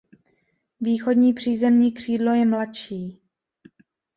Východní přízemní křídlo je mladší.